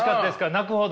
泣くほど。